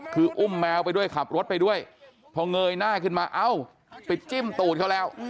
คืออุ้มแมวไปด้วยขับรถไปด้วยพอเงยหน้าขึ้นมาเอ้าไปจิ้มตูดเขาแล้ว